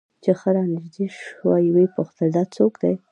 چې ښه رانژدې سوه ويې پوښتل دا څوک دى.